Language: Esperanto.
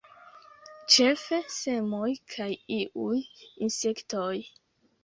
Ĉefe semoj kaj iuj insektoj.